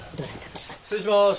失礼します。